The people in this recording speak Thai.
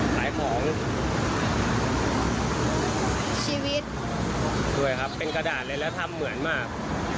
ขายของชีวิตด้วยครับเป็นกระดาษเลยแล้วทำเหมือนมาก